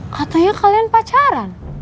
katanya kalian pacaran